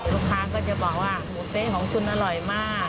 ลูกค้าก็จะบอกว่าหมูเต๊ะของคุณอร่อยมาก